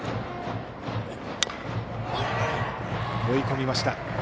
追い込みました。